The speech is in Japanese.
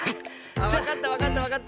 あっわかったわかったわかった！